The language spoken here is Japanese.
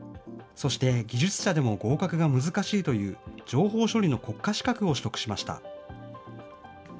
そして技術者でも合格が難しいという情報処理の国家資格を取得しました。